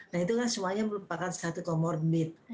nah itu kan semuanya merupakan satu comorbid